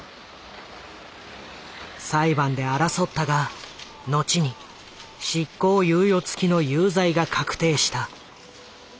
裁判で争ったがのちに執行猶予付きの有罪が確定した。